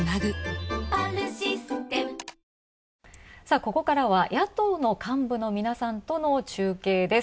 ここからは野党の幹部の皆さんとの中継です。